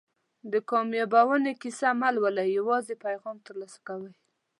د کامیابیونې کیسې مه لولئ یوازې پیغام ترلاسه کوئ.